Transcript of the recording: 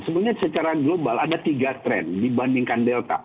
sebenarnya secara global ada tiga tren dibandingkan delta